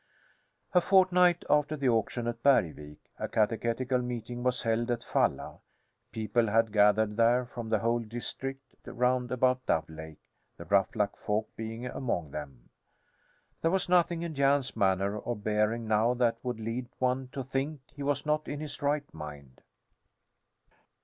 A fortnight after the auction at Bergvik a catechetical meeting was held at Falla. People had gathered there from the whole district round about Dove Lake, the Ruffluck folk being among them. There was nothing in Jan's manner or bearing now that would lead one to think he was not in his right mind.